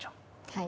はい。